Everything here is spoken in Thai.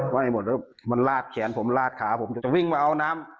มันลาดแขนผมลาดขาผมจะวิ่งมาเอาน้ำ